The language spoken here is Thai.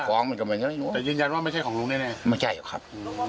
ของลูกไม่ใช่ครับ